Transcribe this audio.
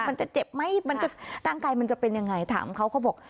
มันจะเจ็บไหมมันจะร่างกายมันจะเป็นยังไงถามเขาเขาบอก